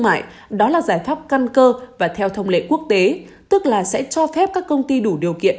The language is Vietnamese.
mại đó là giải pháp căn cơ và theo thông lệ quốc tế tức là sẽ cho phép các công ty đủ điều kiện